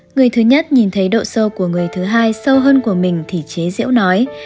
người thứ nhất nhìn thấy độ sâu của người thứ hai sâu hơn của mình thì chế diễu nói